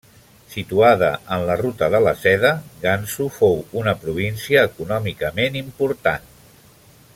Situada en la ruta de la Seda, Gansu fou una província econòmicament important.